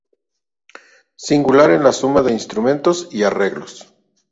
Singular en la suma de instrumentos y arreglos.